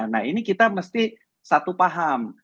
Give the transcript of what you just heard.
nah ini kita mesti satu paham